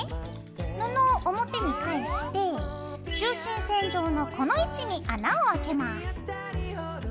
布を表に返して中心線上のこの位置に穴をあけます。